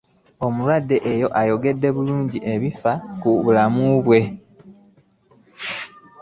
Omuwala oyo ayogedde bulungi ebifa ku bulmamu be.